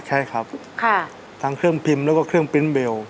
ใช่ครับทั้งเครื่องพิมพ์แล้วก็เครื่องปริ้นต์เบล